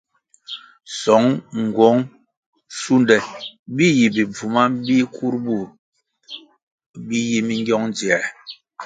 Söng, nğuöng, sunde bi yi bi bvuma bi kur bur bi yi mingiong dzier.